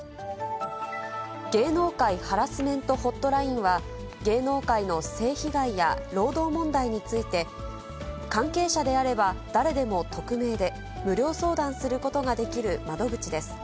芸能界ハラスメントホットラインは、芸能界の性被害や労働問題について、関係者であれば誰でも匿名で無料相談することができる窓口です。